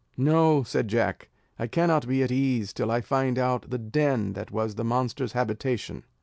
"No," said Jack, "I cannot be at ease till I find out the den that was the monster's habitation."